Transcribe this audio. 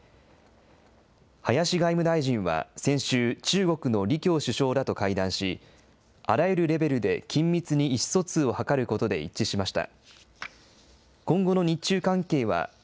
林外務大臣は先週、中国の李強首相らと会談し、あらゆるレベルで緊密に意思疎通を図ることで一致しました。